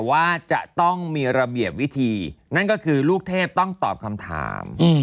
สงเหมือนนักศึกษา